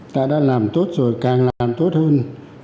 ta đã làm tốt rồi càng làm tốt hơn